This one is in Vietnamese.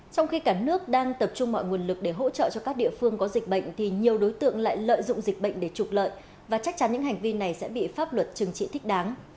trong khi cả nước đang tập trung mọi nguồn lực để hỗ trợ cho các địa phương có dịch bệnh thì nhiều đối tượng lại lợi dụng dịch bệnh để trục lợi và chắc chắn những hành vi này sẽ bị pháp luật trừng trị thích đáng